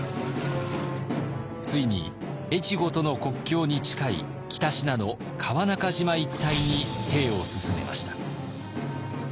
ついに越後との国境に近い北信濃川中島一帯に兵を進めました。